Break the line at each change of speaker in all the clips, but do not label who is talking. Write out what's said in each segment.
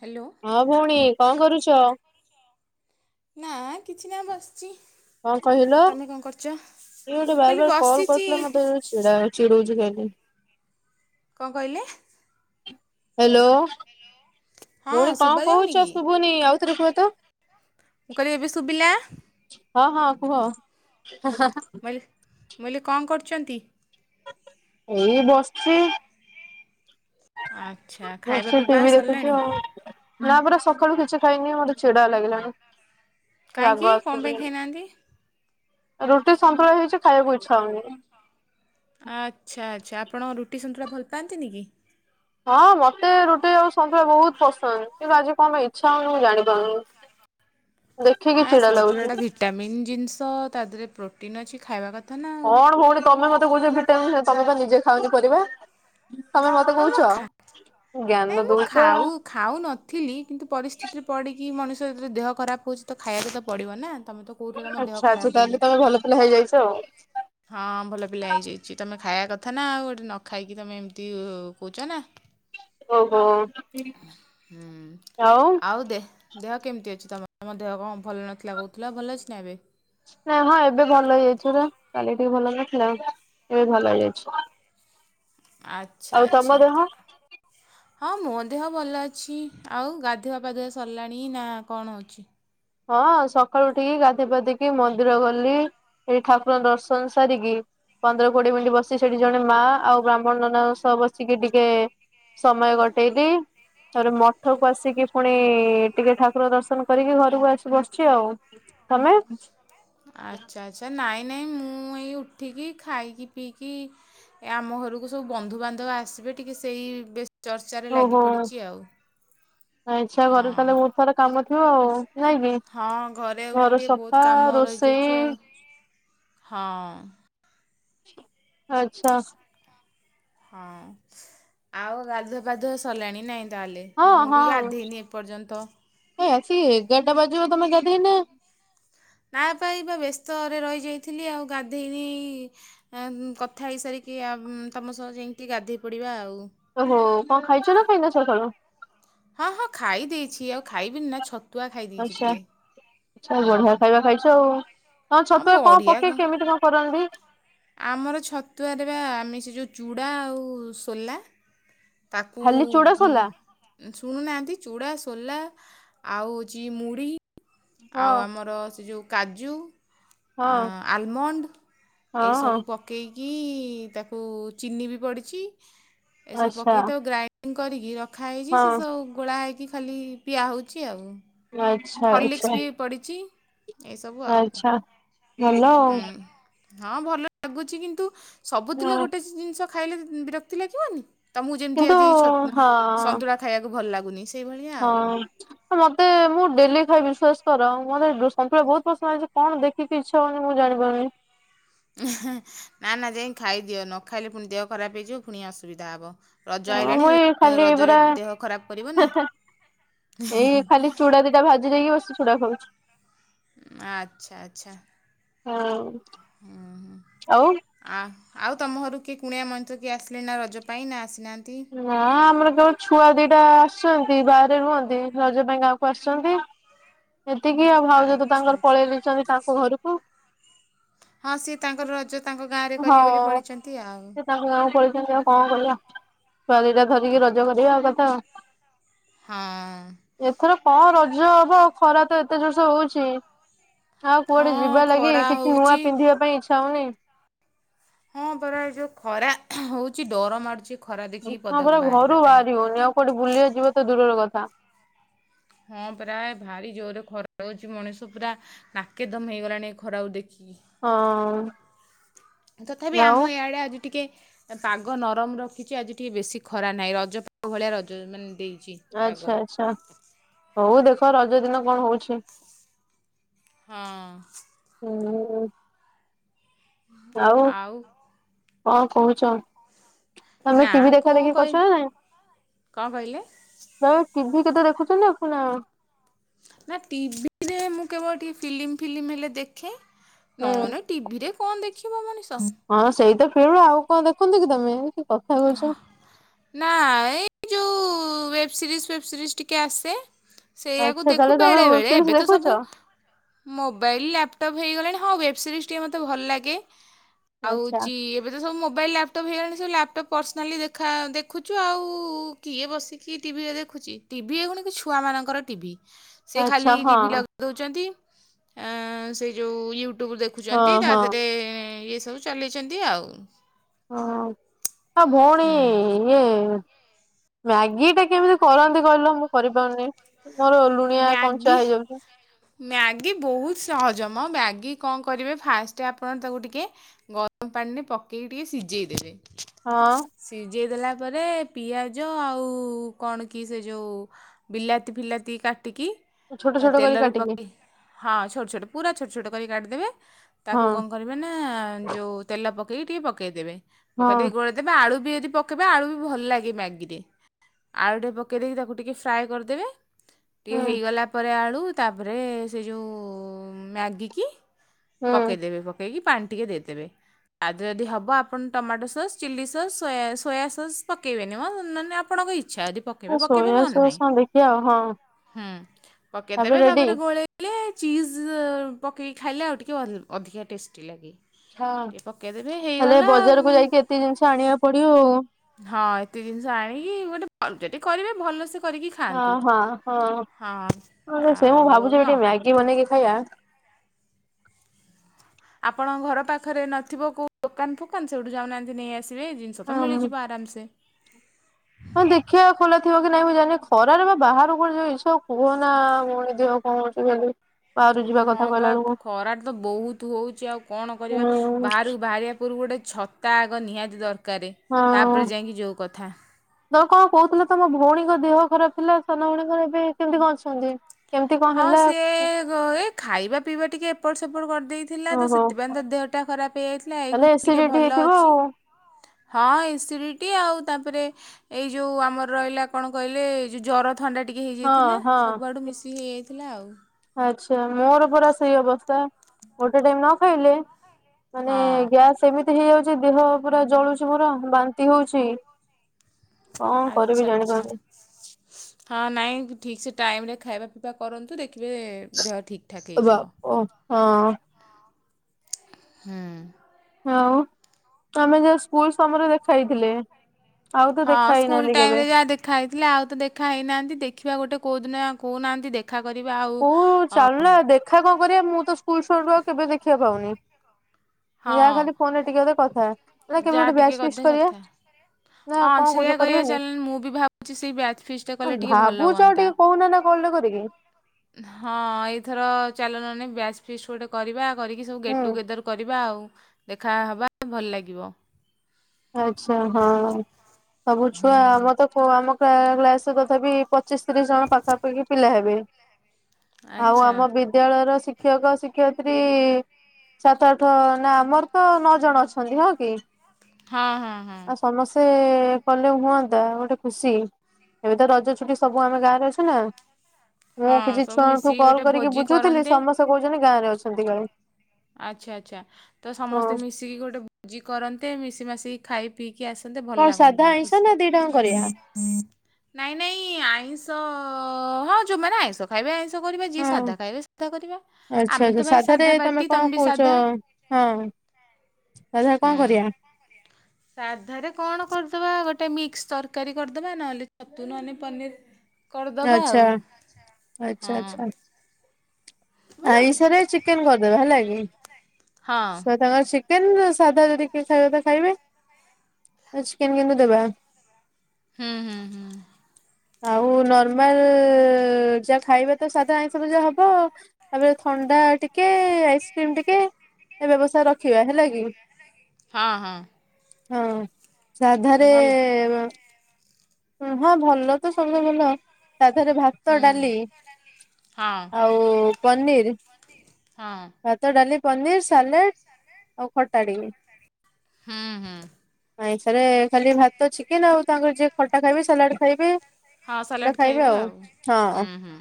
Hello.
ହଁ ଭଉଣୀ କଣ କରୁଚ?
ନା କିଛି ନା ବସିଚି।
କଣ କହିଲ କିଏ ଗୋଟେ
ମୁଁ
ବାର
କହିଲି
ବାର କଲ୍
ବସିଛି
କରିଥିଲା ମତେ ଯଛି ଚିଡା ଚିଡୋଉଛି ଖାଲି।
କଣ କହିଲେ?
ହ୍ୟାଲୋ
ହଁ
ଭଉଣୀ କଣ
ଶୁଭା ଯାଉନି
କହୁଛ
କି?
ଶୁଭୁନି ଆଉଥରେ କୁହ ତ?
ମୁଁ କହିଲି ଏବେ ଶୁଭିଲା?
ହଁ ହଁ କୁହ।
ମୁଁ କହିଲି କଣ କରୁଛନ୍ତି?
ଏଇ ବସିଛି।
ଆଚ୍ଛା।
ମୁଁ
ଖାଇବା
ସେଇ
ପିଇବା
ଟିଭି ଦେଖୁଛି
ସରିଲାଣି
ଆଉ ନା ପରା ସକାଳୁ କିଛି ଖାଇନି ମୋତେ ଚିଡା ଲାଗିଲାଣି।
କାହିଁକି
ରାଗ
କଣ ପାଇଁ
ଆସୁଚି।
ଖାଇନାହାନ୍ତି?
ରୁଟି ସନ୍ତୁଳା ହେଇଛି ଖାଇବାକୁ ଇଚ୍ଛା ହଉନି।
ଆଚ୍ଛା ଆଚ୍ଛା। ଆପଣ ରୁଟି ସନ୍ତୁଳା ଭଲ ପାଆନ୍ତିନି କି।
ହଁ ମତେ ରୁଟି ଆଉ ସନ୍ତୁଳା ବହୁତ ପସନ୍ଦ। କିନ୍ତୁ, ଆଜି କଣ ପାଇଁ ଇଚ୍ଛା ହଉନି ମୁଁ ଜାଣିପାରୁନି? [unintelligible] ଦେଖିକି
ଆଁ
ଚିଡା
ସନ୍ତୁଳା
ଲାଗୁଛି
ଟା ଭିଟାମିନ୍ ଜିନିଷ ତା ଦେହରେ ପ୍ରୋଟିନ୍ ଅଛି ଖାଇବା କଥା ନା। ଆଉ।
କଣ ଭଉଣୀ ତମେ ମତେ କହୁଛ ଭିଟାମିନ୍ ତମେ ବା ନିଜେ ଖାଅନି ପରିବା? ତମେ ମତେ
ହଁ ମୁଁ
କହୁଛ
ଖା ନାଇଁ
ଜ୍ଞାନ
ମୁଁ
ଦଉଛ।
ଖାଉ ଖାଉନଥିଲି କିନ୍ତୁ ପରିସ୍ଥିତିରେ ପଡ଼ିକି ମଣିଷ ଯେତେବେଳେ ଦେହ ଖରାପ ହେଉଛି ତ ଖାଇବାକୁ ତ ପଡ଼ିବ ନା ତମେ ତ କହୁଥିଲ ତମ ଦେହ
ଆଚ୍ଛା
ଖରାପ
ଆଚ୍ଛା
ବୋଲି
ତାହେଲେ ତମେ ଭଲ ପିଲା ହେଇଯାଇଛ ଆଉ।
ହଁ ଭଲ ପିଲା ହେଇଯାଇଛି ତମେ ଖାଇବା କଥା ନା ଆଉ ଗୋଟେ ନ ଖାଇକି ତମେ ଏମିତି କହୁଛ ନା।
ଓହୋ!
ହୁଁ। ଆଉ ଦେହ କେମିତି ଅଛି ତମ ତମ ଦେହ କଣ ଭଲ ନଥିଲା କହୁଥିଲା ଭଲ ଅଛି ନା ଏବେ?
ନାଇଁ ମ ଏବେ ଭଲ ହେଇଯାଇଛ ପରା, କାଲି ଟିକେ ଭଲ ନଥିଲା ଆଉ ଏବେ ଭଲ ହେଇଯାଇଛି।
ଆଚ୍ଛା
ଆଉ ତମ
ଆଚ୍ଛା।
ଦେହ
ହଁ ମୋ ଦେହ ଭଲ ଅଛି। ଆଉ ଗାଧୁଆ ପାଧୁଆ ସରିଲାଣି ନା କଣ ହଉଛି?
ହଁ ସକାଳୁ ଉଠିକି ଗାଧେଇ ପାଧେଇ କି ମନ୍ଦିର ଗଲି। ଏଇ ଠାକୁରଙ୍କ ଦର୍ଶନ ସାରିକି ପନ୍ଦର କୋଡିଏ ମିନିଟ୍ ବସି ସେଠି ଜଣେ ମା ଆଉ ବ୍ରାହ୍ମଣ ନନା ସହ ବସିକି ଟି- କେ ସମୟ କଟେଇଲିି। ତାପରେ ମ- ଠକୁ ଆସିକି ପୁଣି ଟିକେ ଠାକୁର ଦର୍ଶନ କରିକି ଘରକୁ ଆ- ବସିଛି। ଆଉ ତମେ?
ଆଚ୍ଛା ଆଚ୍ଛା ନାଇଁ ନାଇଁ ମୁଁ ଏଇ ଉଠିକି ଖାଇକି ପିଇକି। ଏ ଆମ ଘରକୁ ସବୁ ବନ୍ଧୁବାନ୍ଧବ ଆସିବେ ଟିକେ ସେଇ ବେ ଚର୍ଚ୍ଚାରେ ଲାଗି
ଓହୋ
ପଡ଼ିଛି ଆଉ। ହଁ
ଥର କାମ ଥିବ ଆଉ। ନାଇଁ କି
ହଁ ଘରେ ଆଉ ଫୁଣି
ଘର
ଟିକେ
ସଫା
ବହୁତ କାମ ରହିଯାଇଛି
ରୋଷେଇ
ଆଉ ହଁ।
ଆଚ୍ଛା।
ହଁ, ଆଉ ଗାଧୁଆ ପାଧୁଆ ସରିଲାଣି ନାଇଁ। ତାହେଲେ
ହଁ
ମୁଁ ବି
ହଁ
ଗାଧୋଇନି ଏପର୍ଯ୍ୟନ୍ତ।
ଏ ଆସି ଏଗାରଟା ବାଜିବ ତମେ ଗାଧେଇନା।
ନା ପାଇବା ବ୍ୟସ୍ତରେ ରହିଯାଇଥିଲି ଆଉ ଗାଧେଇନି। କଥା ହେଇ ସାରିକି ଆ ତମ ସହ ଯାଇକି ଗାଧେଇ ପଡିବା ଆଉ।
ଓହୋ! କଣ ଖାଇଛ ନା ଖାଇନ ସକାଳୁ?
ହଁ ହଁ ଖାଇ ଦେଇଛି ଆଉ ଖାଇବିନି ନା ଛତୁଆ ଖାଇ ଦେଇଛି ଟିକେ।
ଆଛା
ହୁଁ
ବଢିଆ ଖାଇବା ଖାଇଛ ଆଉ। ହ
ହଁ
ଛତୁଆ କଣ
ବଢ଼ିଆ
ପକେଇ
ଗ-
କେମିତି କଣ କରନ୍ତି?
ଆମର ଛତୁଆରେ ବା ଆମେ ସେ ଯେଉଁ ଚୂଡ଼ା ଆଉ ସୋଲା। ତାକୁ।
ଖାଲି ଚୁଡା ସୋଲା
ଶୁଣୁନାହାଁନ୍ତି ଚୂଡ଼ା, ସୋଲା, ଆଉ ହେଉଛି ମୁଢ଼ି,
ହଁ
ଆଉ ଆମର ସେ ଯେଉଁ କାଜୁ,
ହଁ
ଆଲମଣ୍ଡ,
ହଁ
ଏଇସବୁ ପକ ଇକି ତାକୁ ଚିନି ବି ପଡ଼ିଛି ଏସବୁ
ଆଚ୍ଛା
ପକେଇିକ ତାକୁ ଗ୍ରାଇଣ୍ଡ କରିକି ରଖାହେଇଛି ସେ
ହଁ
ସବୁ ଗୋଳା ହେଇକି ଖାଲି ପିଆ ହଉଛି ଆଉ।
ଆଚ୍ଛା ଆଚ୍ଛା
ହଲିକ୍ସ ବି ପଡ଼ିଛି। ଏଇସବୁ ଆଉ
ଆଚ୍ଛା ଭଲ ଆଉ।
ହୁଁ ହଁ ଭଲ ଲାଗୁଛି କିନ୍ତୁ ସବୁଦିନ
ହଁ
ଗୋଟେ ଜିନିଷ ଖାଇଲେ ବିରକ୍ତି ଲାଗିବନି। ତମୁକୁ ଯେମତି
କିନ୍ତୁ
ଆଜି ସତୁ
ହଁ
ସନ୍ତୁଳା ଖାଇବାକୁ ଭଲ ଲାଗୁନି ସେଇଭଳିଆ ଆଉ
ହଁ। ମତେ ମୁଁ ଡେଲି ଖାଏ ବିଶ୍ୱାସ କର ମତେ ସନ୍ତୁଳା ବହୁତ ପସନ୍ଦ ଲାଗଛି କଣ ଦେ ଖିକି ଇଛା ହଉନି ମୁଁ ଜାଣି ପାରୁନି
ଏହେଁ ନା ନା ଯାଇ ଖାଇଦିଅ ନ ଖାଇଲେ ପୁଣି ଦେହ ଖରାପ ହେଇଯିବ ପୁଣି ଅସୁବିଧା ହବ। ରଜ
ହଁ
ଆଇଲାଣି
ମୁଁ ଏଇ ଖାଲି ପୁରା
ରଜରେ ଦେହ ଖରାପ କରିବ ନା?
ଏଇ ଖାଲି ଚୁଡ଼ା ଦିଟା ଭାଜି ଦେଇକି ବସି ଚୁଡା ଖାଉଛି।
ଆଚ୍ଛା ଆଚ୍ଛା।
ହଁଉ ଆଉ?
ଆ ଆଉ ତମ ଘରୁକୁ କିଏ କୁଣିଆ ମଇଁତ୍ର କିଏ ଆସିଲେଣି ନା ରଜ ପାଇଁ ନା ଆସିନାହାନ୍ତି।
ନା ଆମର କେବଳ ଛୁଆ ଦିଟା ଆସିଛନ୍ତି ବାହାରେ ରୁହନ୍ତି ରଜ ପାଇଁ ଗାଁକୁ ଆସିଚନ୍ତି ଏତିକି ଆଉ ଭାଉଜତ
ଆଚ୍ଛା
ତାଙ୍କର
ଆଚ୍ଛା
ପଳେଇ ଯାଇଛନ୍ତି ତାଙ୍କ ଘରୁକୁ।
ହଁ ସିଏ ତାଙ୍କର ରଜ ତାଙ୍କ ଗାଁ ରେ
ହଁ।
କରିବେ ବୋଲି ପଳେଇଚନ୍ତି ଆଉ।
ସେ ତାଙ୍କ ଗାଁ କୁ ପଳେଇଚନ୍ତି ଆଉ। ହଁ ଗଲା ଛୁଆ ଦିଟା ଧରିକି ରଜ କରିବା କଥା।
ହଁ।
ଏଥର କଣ ରଜ ହବ ଖରା ତ ଏତେ ଜୋରସେ ହଉଛି ଆଉ କୁଆଡେ
ହଁ
ଯିବା ଲାଗି
ଖରା
କିଛି ନୂଆ
ହଉଛି।
ପିନ୍ଧିବା ପାଇଁ ଇଚ୍ଛା ହଉନି।
ହଁ ପରା ଏଇ ଯୋଉ ଖରା ହଉଛି ଡର ମାରୁୁଚି
ହଁ ପରା ଘରୁ ବାହାରି ହଉନି ଆଉ କୋଉଠି ବୁଲିଆକୁ ଯିବ ତ ଦୂରର କଥା
ହଁ ପରା ଭାରି ଜୋର ଖରା ଉଛି ମଣିଷ ପୁରା ନାକେ ଦମ ହେଇଗଲାଣି ଏ ଖରାକୁ ଦେଖିକି
ହଁ।
ତଥାପି ଆମ
ଆଉ
ଇଆଡ଼େ ଆଜି ଟିକେ ପାଗ ନରମ ରଖିଛି ଆଜି ଟିକେ ବେଶି ଖରା ନାହିଁ ରଜ ଗ ଭଳିଆ ରଜ ମାନେ ଦେଇଛି ପାଗ।
ଆଚ୍ଛା ଆଚ୍ଛା ହଉ ଦେଖ ରଜ ଦିନ କଣ ହଉଛି?
ହଁ।
[unintelligible] ଆଉ କଣ କହୁଚ? ତମେ
ନା
ଟିଭି ଦେଖା
କଣ
ଦେଖି
କହି
କରୁଛ ନା ନାଇଁ?
କଣ କହିଲେ?
ତମେ ଟିଭିି କେତେ ଦେଖୁଛନ୍ତି ନା ଦେଖୁନା?
ନା ଟିଭିରେ ମୁଁ କେବଳ ଟିକେ ଫିଲ୍ମ ଫିଲ୍ମ ହେଲେ ଦେଖେ।
ହୁଁ
ନନ ଟିଭିରେ କଣ ଦେଖିବ ମଣିଷ।
ହଁ ସେଇ ତ ଫିଳୁ ଆଉ କଣ ଦେଖନ୍ତି କି ତମେ କି କଥା କଉଛ।
ନା ଏ ଯୋଉ ୱେବ୍ ସିରିଜ୍ ଫୋଏବ୍ ସିରିଜ୍ ଟିକେ ଆସେ। ସେଇଆକୁ
ଆଚ୍ଛା
ଦେଖୁ
ତାହେଲେ ତମେ
ବେଳେ
ୱେବ
ବେଳେ
ସିରିଜ
ଏବେ ତ
ଦେଖୁଛ
ସବୁ ମୋବାଇଲ୍ ଲାପଟପ୍ ହେଇଗଲାଣି ହଁ ୱେବ୍ ସିରିଜ୍ ଟିକେ ମୋତେ ଭଲ ଲାଗେ
ଆଚ୍ଛା
ଆଉଉଚି ଏବେତ ସବୁ ମୋବାଇଲ ଲାପଟପ ହେଇଗଲାଣି ସବୁ ଲାପଟପ ପର୍ସନାଲି ଦେଖା ଦେଖୁଛୁ ଆଉ କିଏ ବସିକି ଟିଭିରେ ଦେଖୁଛି ଟିଭି ଏଗୁଣ କି ଛୁଆମାନଙ୍କର ଟିଭି ସେ
ଆଚ୍ଛା
ଖାଲି
ହଁ।
ଟିଭି ଲଗେ ଦଉଚନ୍ତି ଆଁ ସେ ଯୋଉ ୟୁ ଟ୍ୟୁବରୁ ଦେଖୁଛନ୍ତି
ହଁ
ତା
ହଁ
ଧେରେ ଇଏ ସବୁ ଚଲେଇଛନ୍ତି ଆଉ
ହଁଅ ଅ ଭଉଣୀ
ହୁଁ।
ଇଏ ମ୍ୟାଗିଟାକି କେମିତି କରନ୍ତି କହିଲ ମୁଁ କରିପାରୁନି ମୋର ଲୁ
ମ୍ୟାଗି ମ୍ୟାଗି ବହୁତ ସହଜମ ମ୍ୟାଗି କଣ କରିବେ ଫାଷ୍ଟ ଆପଣ ତାକୁ ଟିକେ ଗରମ ପାଣିରେ ପକେଇକି ଟିକେ ସିଜେଇଦେବେ।
ହଁ।
ସିଜେଇ ଦେଲା ପରେ ପିଆଜ ଆଉ କଣ କି ସେ ଯୋଉ ବିଲାତି ଫିଲାତି କାଟିକି
ଛୋଟ
ଅ
ଛୋଟ କରି
ତେଲରେ
କାଟିକି
ପକେଇ ହଁ ଛୋଟ ଛୋଟ ପୁରା ଛୋଟ ଛୋଟ କଇ କାଟଦେବେ
ହଁ
ତାକୁ କଣ କରି ହୁଏନା ଯୋଉ ତେଲ ପକେଇକି ଟିକେ ପକେଇଦେବେ ପକେଇ ଦେଇ
ହଁ।
ଘୋଡେଇ ତେବେ ଆଳୁ ବି ଯଦି ପକେଇବେ ଆଳୁ ବି ଭଲ ଲାଗେ ମ୍ୟାଗିରେ। ଆଳୁ ଟେ ପକେଇ ଦେଇକି ତାକୁ ଟିକେ ଫ୍ରାଏ କରିଦେବେ। ଟିକେ
ହୁଁ
ହେଇଗଲା ପରେ ଆଳୁ ତାପରେ ସେ ଯୋଉ ମ୍ୟାଗିକି
ହୁଁ
ପକେଇଦେବେ ପକେଇକି ପାଣି ଟିକେ ଦେଇଦେବେ। ଆଦେହେରେ ଯଦି ହବ ଆପଣ tomato sauce chilli sauce soya soya sauce ପକେଇବେନି ମ ନନେ ଆପ ଆପଣ ଙ୍କ ଇଚ୍ଛା ଯଦି ପ
ହଁ ସୋୟା ସସ୍ [unintelligible] ହଁ ଦେଖିଆ ଆଉ ହଁ।
ହୁଁ ପକେଇଦେବେ ତାପରେ ଗୋଳେଇ ଲେ ଚିଜ ଅ ପକେଇକି ଖାଇଲେ ଆଉ ଟିକେ ଅ ଅଧିକା ଟେଷ୍ଟି ଲାଗେ।
ହଁ
ଟିକେ ପକାଇଦେବେ
ତାହେଲେ
ହେଇଗଲା ଉଁ,
ବଜାରକୁୁ ଯାଇକି ଏତେ ଜିନିଷ ଆଣିଆକୁ ପଡିବ ଆଉ।
ହଁ ଏତେ ଜିନିଷ ଆଣିକି ଗୋଟେ ଭ ଯଦି କରିବେ ଭଲ ସେ
ହଁ ହଁ ହଁ ମୁଁ ବି ସେ ମୁଁ
ଆଉ
ଭାବୁଛି
ନ
ଟିକେ ମ୍ୟାଗି ବନେଇକି ଖାଇବା।
ଆପଣଙ୍କ ଘର ପାଖରେ ନଥିବ କୋଉ ଦୋକାନ ଫୋକାନ ସେଇଠୁ ଯାଉନାହାନ୍ତି ନେଇ ଆସିବେ ଜିନିଷ ତ
ହଁ।
ମିଳିଯିବ ଆରାମସେ।
ହଁ ଦେଖିଆ ଖୋଲା ଥିବ କି ନାଇଁ ମୁଁ ଜାଣିନି ଖରାରେ ବା ବାହାରକୁ କୁଆଡେ ଯିବାକୁ ଇଚ୍ଛା ହଉ କୁହନା ଭଉଣୀ ଦେହ ହଉଚି ଖାଲି। ବାହାରୁ ଯିବା
ହଁ
କଥା କହିଲା
ପା
ବେଳକୁ
ଖରା ତ ବହୁତୁ ହଉଚି ଆଉ କଣ କରିବା
ହୁଁ
ବାହାରକୁ ବାହାରିବା ପୁର୍ବରୁ ଗୋଟେ ଛତା ଆଗ ନିହାତି ଦରକାରେ ତାପରେ ଯାଇକି ଯୋଉ କଥା।
ତ କଣ କହୁଥିଲ ତମ ଭଉଣୀଙ୍କ ଦେହ ଖରାପ ଥିଲା ସାନ ଭଉଣୀଙ୍କର ଏବେ କେମିତି କ ଅଛନ୍ତି? କେମିତି କଣ
ହଁ
ହେଲା?
ସିଏ ଏ ଘଏ ଖାଇବା ପିଇବା ଟିକେ ଏପଟ ସେପଟ କରିଦେଇଥ ଥିଲା ତ
ଓହୋ
ସେଥିପାଇଁ ତ ଦେହଟା ଖରାପ ହେଇଯାଇଥିଲା
ତାହେଲେ
ଏଇଖୁଣି ଟିକେ
ଏସିଡିଟି
ଭଲ
ହେଇଥିବ
ଅଛି। ହଁ ଏସିଡିଟି ଆଉ ତାପରେ ଏଇ ଯୋଉ ଆମର ରହିଲା କଣ କହିଲେ ଏ ଯୋଉ ଜରତ ଥଣ୍ଡା ଟିକି
ଆଉ
ହେଇଯାଇଥିଲା
ହଁ
ସବୁଆଡ଼ୁ
ହଁ।
ମିଶିକି ହେଇଯାଇଥିଲା ଆଉ।
ଆଚ୍ଛା ମୋର ପରା ସେଇ ଅବସ୍ଥା ଗୋଟେ ଟାଇମ ନ ଖାଇଲେ ମାନେ
ହଁ
ଗ୍ୟାସ୍ ଏମିତି ହେଇଯାଉଚି ଦେହ ପୁରା ଜଳୁଚି ମୋର ବାନ୍ତି ହଉଚି।
ଆଚ୍ଛା ଆଛା।
ଜାଣିପାରୁନି।
ହଁ ନାଇଁ ଠିକ ସେ ଟାଇମ ରେ ଖାଇବା ପିଇବା କରନ୍ତୁ ଦେଖିବେ ଦେହ ଠିକ ଠାକ
ବାପ
ହେଇଯିବ
ହଁ
ହୁଁ।
ଆଉ ଆମେ ଯଉ ସ୍କୁଲ ସମୟରେ ଦେଖା ହେଇଥିଲେ। ଆଉ ତ
ହଁ
ଦେଖା
ସ୍କୁଲ
ହେଇନାହାନ୍ତି
ଟାଇମ
କେବେ।
ରେ ଯାଆ ଦେଖା ହେଇଥିଲା ଆଉ ତ ଦେଖା ହେଇନାହାନ୍ତି ଦେଖିବା ଗୋଟେ କୋଉ ଆ ଦିନ କହୁନାହାନ୍ତି ଦେଖ ଦେଖା କରିବା ଆଉ
କୋଉ
ଅ
ଚାଲୁନା ଦେଖା କଣ କରିବା ମୁଁ ତ ସ୍କୁଲ ସଲୁ ଆଉ କେବେ ଦେଖିଆକୁ ପାଉନି
ହଁ
ଯାହା ଖାଲି ଫୋନରେ ଟିକେ ଅଧେ କଥା ହେଲେ କେବେ
ଯାହା
ଗୋଟେ
ଟିକେ
ବ୍ୟାଚ ଫିସ୍
ଅଧେ
କରିଆ।
କଥା
ନା
ହଁ
କଣ
ସେଇଆ
କହୁଚ
କରିବା
କରିବାନି
ଚାଲୁନ ମୁଁ ବି ଭାବୁଛି ସେଇ ବ୍ୟାଚ୍ ଫିଷ୍ଟ୍ଟା
ଅ
କଲେ ଟିକେ ଭଲ
ଭାବୁଚ ଟିକେ
ହୁଅନ୍ତା
କହୁନା ନା ହୋଲ୍ଡ ରେ କରିକି।
ହଁ ଏଇଥର ଚାଲ ନାହେନେ ବ୍ୟାଚ ଫିଷ୍ଟ ଗୋଟେ କରିବା କରିକି ସବୁ ଗେଟ
ହୁଁ
ଟୁଗେଦର୍ କରିବା ଆଉ ଦେଖାହବା ଭଲ ଲାଗିବ।
ଆଚ୍ଛା ହଁ ସବୁ ଛୁଆ
ହୁଁ
ମତେ କୁ ଆମ କ୍ଲା କ୍ଲାସ୍ ତ ତଥାପି ପଚିଶି ତିରିଶ ଜଣ ପାଖାପାଖି ପିଲା ହେବେ ଆଉ
ଆଚ୍ଛା
ଆମ ବି ବିଦ୍ୟାଳୟର ଶିକ୍ଷକ ଶିକ୍ଷୟତ୍ରୀ ସାତ ଆଠ ନା ଆମର ତ ନଅ ଜଣ ଅଛନ୍ତି ହଁ କି।
ହଁ ହଁ ହଁ।
ଆଉ ସମସ୍ତେ କଲେ ହୁଅନ୍ତା ଗୋଟେ ଖୁସି। ଏବେ ତ ରଜ ଛୁଟି ସବୁ ଆମେ ଗାଁରେ ଅଛୁ ନା। ମୁଁ
ହଁ
କିଛି
ସବୁ
ଛୁଆଙ୍କୁ
ମିଶିକି
କଲ୍
ଗୋଟେ
କରିକି
ଭୋଜି
ବୁଝୁଥିଲି
କରନ୍ତେ
ସମସ୍ତେ କହୁଛନ୍ତି ଗାଁରେ ଅଛନ୍ତି କାଳେ।
ଆଚ୍ଛା ଆଚ୍ଛା ତ
ହଁ
ସମସ୍ତେ ମିଶିକି ଗୋଟେ ଭୋଜି କରନ୍ତେ ମିଶି ମାସି ଖାଇ ପିଇକି ଆସନ୍ତେ ଭଲ
କଣ ସାଧା
ଲାଗନ୍ତା
ଆଇଁଷ
ଖୁସି।
ନା ଦିଟାଙ୍କ କରିବା?
ନାଇଁ ନାଇଁ ଆଇଁଷ ହଁ ଯଉମାନେ ଆଇଁଷ ଖାଇବା ଆଇଁଷ କରିବା ଯିଏ
ହଁ
ସାଧା ଖାଇବେ ସାଧା କରିବା
ଆଚ୍ଛା
ଆମେ ତ
ଆଚ୍ଛା
ଭାଇ
ସାଧାରେ
ସାଧା ପା-
ତମେ କଣ କହୁଛ ହଁ ସାଧା କଣ
ହୁଁ
କରିବା।
ସାଧାରେ କଣ କରିଦବା ଗୋଟେ ମିକ୍ସ ତରକାରୀ କରିଦବା ନହେଲେ ଛତୁ ନହେଲେ ପନିର କରିଦେବା ଆଉ
ଆଚ୍ଛା
ହଁ। ହଁ
ଆଇଁସ ରେ ଚିକେନ କରିଦେବା ହେଲା କି।
ହଁ।
ଛୁଆ ତାଙ୍କର ଚିକେନ ସାଧା ଯଦି କିଏ ଖାଇବା ତା ଖାଇବେ ଚିକେନ୍ କିନ୍ତୁ ଦେବା
ହୁଁ ହୁଁ ହୁଁ।
ଆଉ ନର୍ମାଲ ଯା ଖାଇବା ତ ସାଧା ଆଇଁଷ ଫାଇଁସ ଯାହା ହବ। ତାପରେ ଥଣ୍ଡା ଟିକେ ଆଇସ୍କ୍ରିମ ଟିକେ ଏ ବ୍ୟବସାୟ ରଖିବା ହେଲା କି।
ହଁ ହଁ।
ହୁଁ ସାଧାରେ
ଭଲ
ହଁ ଭଲ ତ ସବୁଭଲ ତା ଦେହରେ ଭାତ
ହୁଁ
ଡାଲି
ହଁ
ଆଉ ଆଉ ପନିର
ହଁ।
ଭାତ ଡାଲି ପନିର୍ ସାଲେଡ଼ ଆଉ ଖଟାଟିକେ।
ହୁଁ ହୁଁ।
ଆାଇଁସରେ ଖାଲି ଭାତ ଚିକେନ ଆଉ ତାଙ୍କର ଯିଏ ଖଟା ଖାଇବେ ସାଲାଡ ଖାଇବେ ସେଟା ଖାଇବେ ଆଉ ହଁ
ହୁଁ ହୁଁ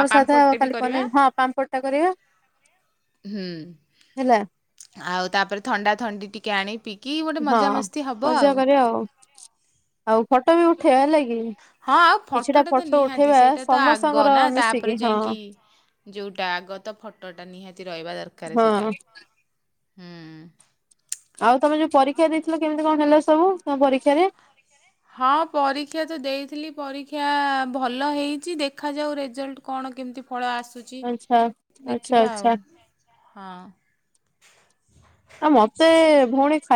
ଆଉ
ସାଧା
ପାମ୍ପଡ଼ଟେ ବି
ଖାଲି
କରିବା
ପନିର୍ ହଁ। ପାମ୍ପଡ଼ଟା କରିବା।
ହୁଁ
ହେଲା
ଆଉ ତାପରେ ଥଣ୍ଡା ଥଣ୍ଡି ଟିକେ ଆଣି ପି କି ଗୋଟେ ମଜାମସ୍ତି ହବ ଆଉ
ଏ ଓ। ଆଉ ଫଟୋ ବି ଉଠେଆ ହେଲାକି।
ହଁ ଆଉ ଫଟ ଟା ତ ନିହାତି ସେଇଟା ତ ଆଗ
ସମସ୍ତଙ୍କର
ନା
ମିଶିକି
ତାପରେ ଯାଇଁକି
ହଁ।
ଯୋଉଟା ଆଗତ ଫଟୋଟା ନିହାତି ରହିବା ଦରକାର ସେଟା
ହଁ
ହୁଁ
ଆଉ ତମେ ଯଉ ପରୀକ୍ଷା ଦେଇଥିଲ କେମିତି କଣ ହେଲା ସବୁ ତମ ପରୀକ୍ଷାରେ
ହଁ ପରୀକ୍ଷା ତ ଦେଇଥିଲି ପରୀକ୍ଷା ଭଲ ହେଇଚି ଦେଖାଯାଉ ରେଜାଲ୍ଟ କଣ କେମିତି ଫଳ ଆସୁଚି
ଆଚ୍ଛା ଆଚ୍ଛା
ଦେଖିବା
ଆଚ୍ଛା
ଆଉ ହଁ।
ଆଉ ମତେ ଭଉଣୀ ଫା